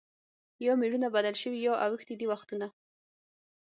یا مېړونه بدل سوي یا اوښتي دي وختونه